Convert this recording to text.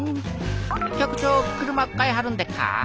局長車買いはるんでっか？